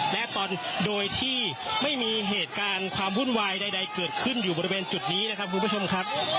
และตอนโดยที่ไม่มีเหตุการณ์ความวุ่นวายใดเกิดขึ้นอยู่บริเวณจุดนี้นะครับคุณผู้ชมครับ